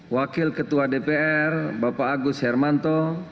wakil ketua dpr bapak agus hermanto